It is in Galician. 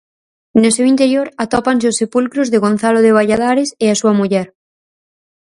No seu interior atópanse os sepulcros de Gonzalo de Valladares e a súa muller.